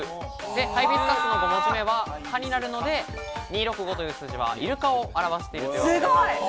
ハイビスカスの５文字目は、カになるので、２６５という数字はイルカを表しています。